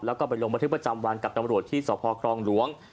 แล้วก็ไปลงบันทึกประจำวันกับตำรวจที่สพครองหลวง